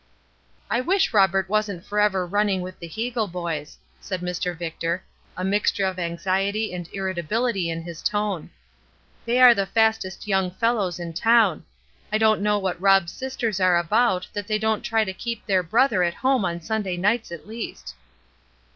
"I wish Robert wasn't forever running with the Heagle boys," said Mr. Victor, a mixture of anxiety and irritability in his tone. "They are the fastest young fellows in town. I don't know what Rob's sisters are about that they don't try to keep their brother at home on Sunday nights at least."